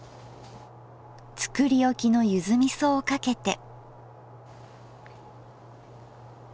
作り置きのゆずみそをかけて。